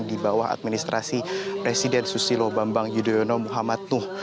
di bawah administrasi presiden susilo bambang yudhoyono muhammad nuh